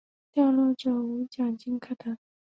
掉落者无奖金可得。